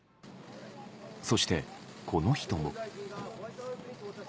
そしてこの人も。